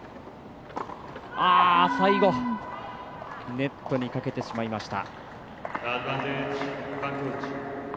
ネットにかけてしまいました。